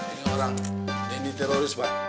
ini orang ini teroris pak